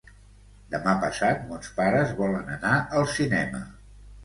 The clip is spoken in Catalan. Demà passat mons pares volen anar al cinema.